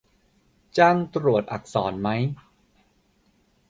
จ้างตรวจอักษรไหม